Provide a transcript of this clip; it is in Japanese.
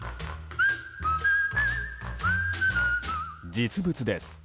実物です。